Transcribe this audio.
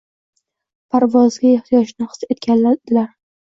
Parvozga ehtiyojni his etgandilar